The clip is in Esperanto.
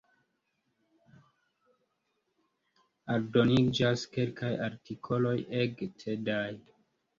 Aldoniĝas kelkaj artikoloj ege tedaj.